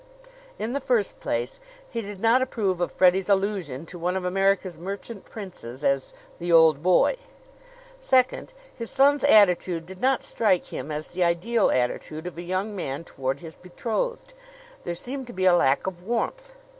In the first place, he did not approve of Freddie's allusion to one of America's merchant princes as "the old boy." Second, his son's attitude did not strike him as the ideal attitude of a young man toward his betrothed. There seemed to be a lack of warmth.